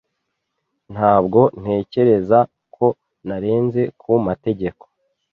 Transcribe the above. Ntabwo ntekereza ko narenze ku mategeko.